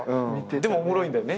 でもおもろいんだよね。